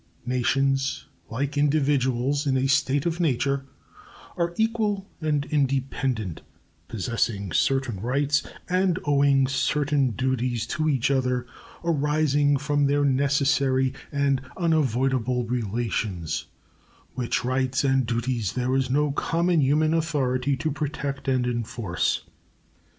Nations, like individuals in a state of nature, are equal and independent, possessing certain rights and owing certain duties to each other, arising from their necessary and unavoidable relations; which rights and duties there is no common human authority to protect and enforce.